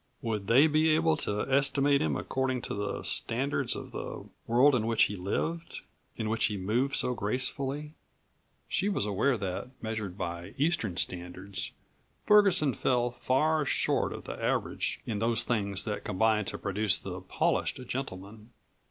Would they be able to estimate him according to the standards of the world in which he lived, in which he moved so gracefully? She was aware that, measured by Eastern standards, Ferguson fell far short of the average in those things that combine to produce the polished gentleman.